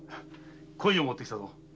鯉を持ってきたぞ。